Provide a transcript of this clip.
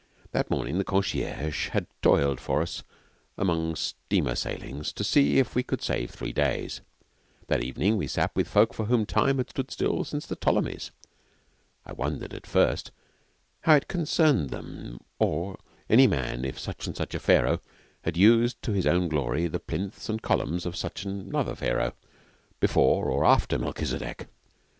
That morning the concierge had toiled for us among steamer sailings to see if we could save three days. That evening we sat with folk for whom Time had stood still since the Ptolemies. I wondered, at first, how it concerned them or any man if such and such a Pharaoh had used to his own glory the plinths and columns of such another Pharaoh before or after Melchizedek.